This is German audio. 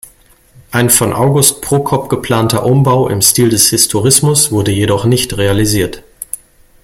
Ein von August Prokop geplanter Umbau im Stil des Historismus wurde jedoch nicht realisiert.